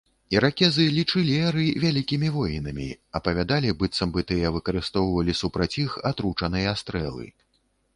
Іракезы лічылі эры вялікімі воінамі, апавядалі, быццам бы тыя выкарыстоўвалі супраць іх атручаныя стрэлы.